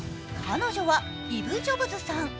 彼女はイヴ・ジョブズさん。